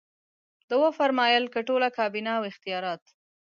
ده وفرمایل که ټوله کابینه او اختیارات.